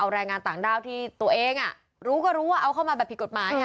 แรงงานต่างด้าวที่ตัวเองรู้ก็รู้ว่าเอาเข้ามาแบบผิดกฎหมาย